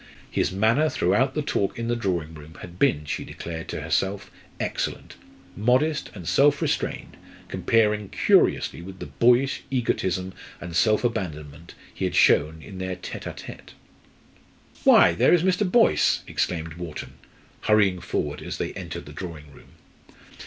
His manner throughout the talk in the drawing room had been, she declared to herself, excellent modest, and self restrained, comparing curiously with the boyish egotism and self abandonment he had shown in their tête à tête. "Why, there is Mr. Boyce," exclaimed Wharton, hurrying forward as they entered the drawing room.